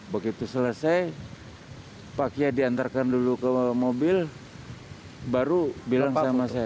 begitu selesai pak kia diantarkan dulu ke mobil baru bilang sama saya